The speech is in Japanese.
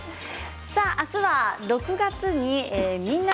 明日は６月に「みんな！